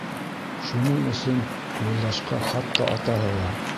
Шуның өсөн Юлдашҡа хатта атаһы ла: